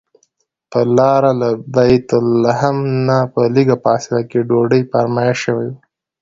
پر لاره له بیت لحم نه په لږه فاصله کې ډوډۍ فرمایش شوی و.